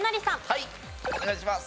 はいお願いします。